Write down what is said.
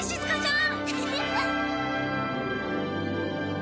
ん？